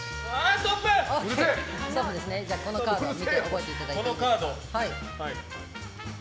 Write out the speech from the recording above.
このカードを見て覚えていただいていいですか。